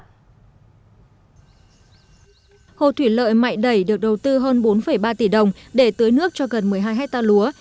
hồ thủy lợi mại đẩy được đầu tư hơn bốn ba tỷ đồng để tưới nước cho gần một mươi hai hectare lúa